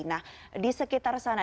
nah di sekitar sana